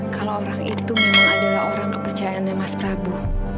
kalau orang itu memang adalah orang kepercayaannya mas prabu